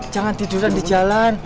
jangan tiduran di jalan